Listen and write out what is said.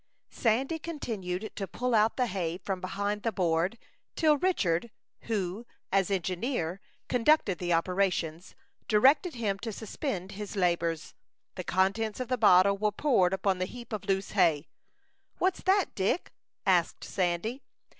Sandy continued to pull out the hay from behind the board, till Richard, who, as engineer, conducted the operations, directed him to suspend his labors. The contents of the bottle were poured upon the heap of loose hay. "What's that, Dick?" asked Sandy.